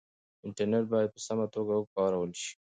انټرنټ بايد په سمه توګه وکارول شي.